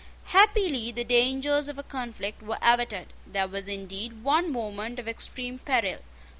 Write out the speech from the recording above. Happily the dangers of a conflict were averted. There was indeed one moment of extreme peril.